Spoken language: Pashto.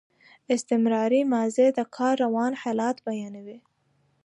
استمراري ماضي د کار روان حالت بیانوي.